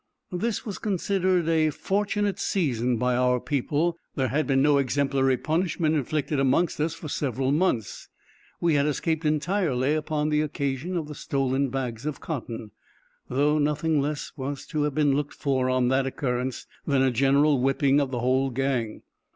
This was considered a fortunate season by our people. There had been no exemplary punishment inflicted amongst us for several months; we had escaped entirely upon the occasion of the stolen bags of cotton, though nothing less was to have been looked for, on that occurrence, than a general whipping of the whole gang.